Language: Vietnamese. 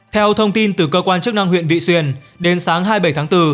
theo thông tin từ cơ quan chức năng huyện vị xuyên đến sáng hai mươi bảy tháng bốn